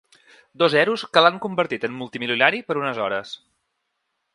Dos zeros que l’han convertit en multimilionari per unes hores.